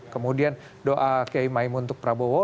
kemudian doa kiai maimun untuk prabowo